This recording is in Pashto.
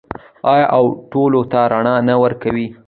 آیا او ټولو ته رڼا نه ورکوي؟